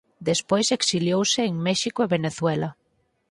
Despois exiliouse en México e Venezuela.